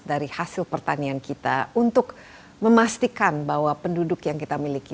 dari hasil pertanian kita untuk memastikan bahwa penduduk yang kita miliki